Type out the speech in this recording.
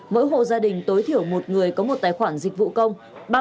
mỗi hộ gia đình tối thiểu một người có một tài khoản dịch vụ công